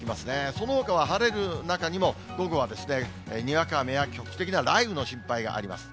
そのほかは晴れる中にも、午後はにわか雨や局地的な雷雨の心配があります。